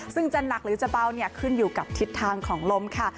ซึ่งจะหนักหรือจะเบาเนี่ยขึ้นอยู่กับทิศทางของลมค่ะ